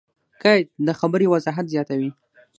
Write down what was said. قید؛ د خبري وضاحت زیاتوي.